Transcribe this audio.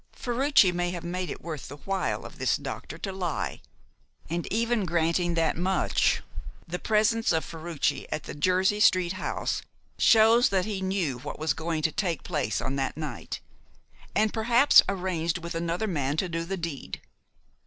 Ferruci may have made it worth the while of this doctor to lie. And even granting that much, the presence of Ferruci at the Jersey Street house shows that he knew what was going to take place on that night, and perhaps arranged with another man to do the deed.